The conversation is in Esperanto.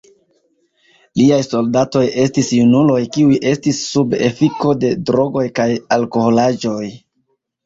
Liaj soldatoj estis junuloj kiuj estis sub efiko de drogoj kaj alkoholaĵoj.